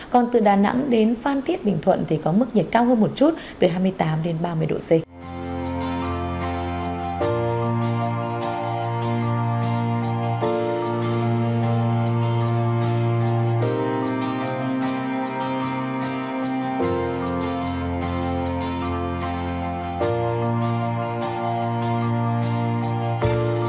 còn từ đà nẵng đến phan thiết bình thuận thì có mức nhiệt cao hơn một chút từ hai mươi tám đến ba mươi độ c